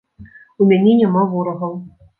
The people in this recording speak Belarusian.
У мяне няма ворагаў.